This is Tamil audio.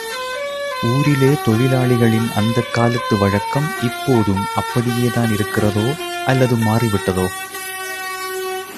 ஊரிலே தொழிலாளிகளின் அந்தக் காலத்து வழக்கம் இப்போதும் அப்படியேதான் இருக்கிறதோ, அல்லது மாறிவிட்டதோ?